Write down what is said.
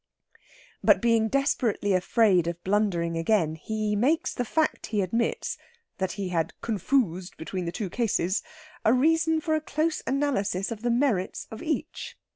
But, being desperately afraid of blundering again, he makes the fact he admits, that he had confoozed between the two cases, a reason for a close analysis of the merits of each.